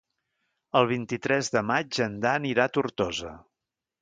El vint-i-tres de maig en Dan irà a Tortosa.